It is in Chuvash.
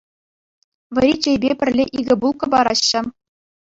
Вӗри чейпе пӗрле икӗ булка параҫҫӗ.